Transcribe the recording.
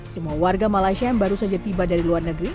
semua warga malaysia yang baru saja tiba dari luar negeri